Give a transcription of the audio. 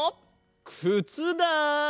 くつだ！